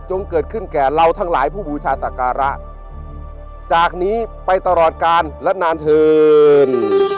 เกิดขึ้นแก่เราทั้งหลายผู้บูชาศักระจากนี้ไปตลอดกาลและนานเถิน